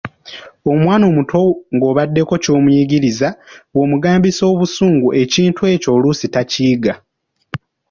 Omwana omuto ng’obaddeko ky’omuyigiriza, bw’omugambisa obusungu ekintu ekyo oluusi takiyiga.